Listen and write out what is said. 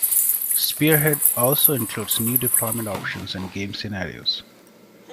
"Spearhead" also includes new deployment options and game scenarios.